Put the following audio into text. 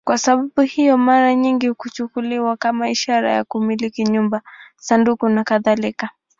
Kwa sababu hiyo, mara nyingi huchukuliwa kama ishara ya kumiliki nyumba, sanduku nakadhalika.